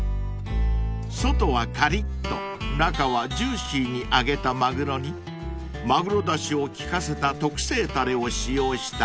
［外はカリッと中はジューシーに揚げたマグロにマグロだしを利かせた特製たれを使用したマグロ南蛮］